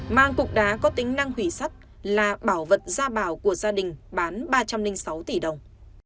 mang cục đá có tính năng hủy sắt là bảo vật gia bảo của gia đình bán ba trăm linh sáu tỷ đồng